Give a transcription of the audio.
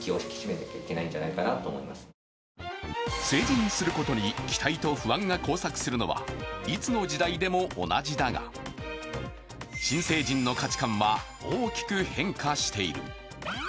成人することに期待と不安が交錯するのはいつの時代でも同じだが新成人の価値観は大きく変化している。